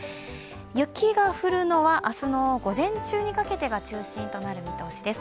雪が降るのは明日の午前中にかけてが中心となる見通しです。